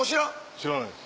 知らないです。